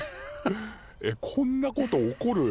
えっこんなこと起こる？